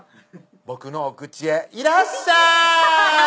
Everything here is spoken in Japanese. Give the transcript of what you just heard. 僕のお口へいらっしゃい！